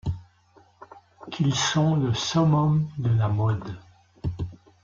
Qu'ils sont le summum de la mode.